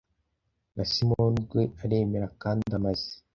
na simoni ubwe aremera kandi amaze